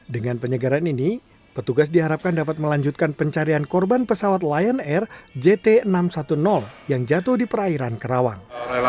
dengan penyegaran ini petugas diharapkan dapat melanjutkan pencarian korban pesawat lion air jt enam ratus sepuluh yang jatuh di perairan kerawang